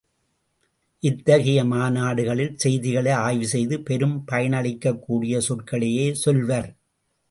இத்தகைய மாநாடுகளில் செய்திகளை ஆய்வு செய்து பெரும் பயனளிக்கக் கூடிய சொற்களையே சொல்வர்.